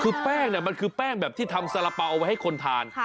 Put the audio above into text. คือแป้งเนี่ยมันคือแป้งแบบที่ทำสาระเป๋าเอาไว้ให้คนทาน